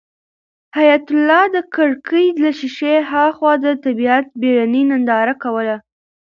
حیات الله د کړکۍ له شیشې هاخوا د طبیعت بېړنۍ ننداره کوله.